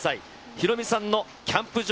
ヒロミさんのキャンプ場